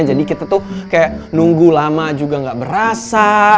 jadi kita tuh kayak nunggu lama juga gak berasa